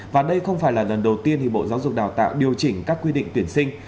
và đây không phải là lần đầu tiên bộ giáo dục đào tạo điều chỉnh các quy định tuyển sinh